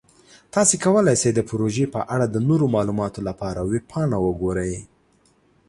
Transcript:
تاسو کولی شئ د پروژې په اړه د نورو معلوماتو لپاره ویب پاڼه وګورئ.